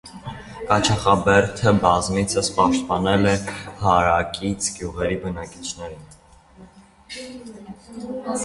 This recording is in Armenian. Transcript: Կաչաղակաբերդը բազմիցս պաշտպանել է հարակից գյուղերի բնակիչներին։